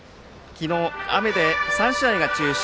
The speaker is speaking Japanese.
昨日、雨で３試合が中止。